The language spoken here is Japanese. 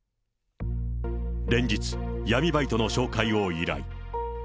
連日、闇バイトの紹介を依頼。